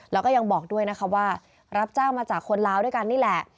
แล้วก็ยังบอกด้วยนะคะว่ารับจ้างมาจากคนลาวด้วยกันนี่แหละ